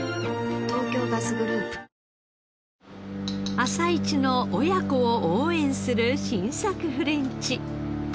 朝市の親子を応援する新作フレンチ。